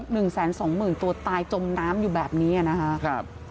๒หมื่นตัวตายจมน้ำอยู่แบบนี้นะครับ